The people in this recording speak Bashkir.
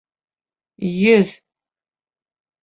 — Йөҙ.